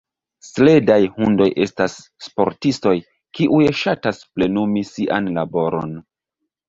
Sledaj hundoj estas sportistoj, kiuj ŝatas plenumi sian laboron.